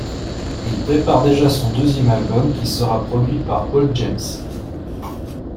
Il prépare déjà son deuxième album qui sera produit par Paul James.